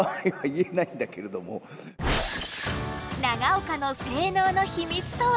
長岡の性能の秘密とは？